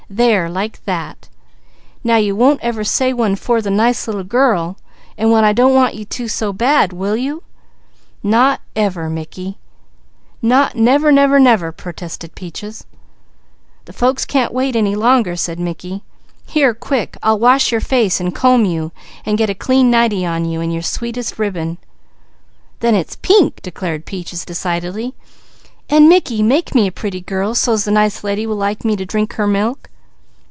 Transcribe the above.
There, like that! Now you won't ever say one 'fore the nice little girl, and when I want you not to so bad, will you?" "Not never Mickey! Not never, never, never!" "The folks can't wait any longer," said Mickey. "Here quick, I'll wash your face and comb you, and get a clean nightie on you, and your sweetest ribbon." "Then it's pink," declared Peaches, "an' Mickey, make me a pretty girl, so's the nice lady will like me to drink her milk."